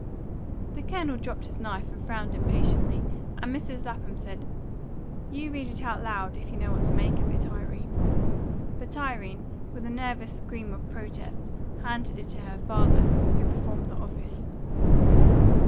The Colonel dropped his knife and frowned impatiently, and Mrs. Lapham said, "You read it out loud, if you know what to make of it, Irene." But Irene, with a nervous scream of protest, handed it to her father, who performed the office.